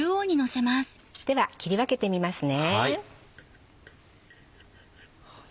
では切り分けてみますね。